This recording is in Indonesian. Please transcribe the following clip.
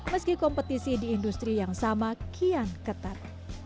meski kompetisi di industri yang sama kian ketat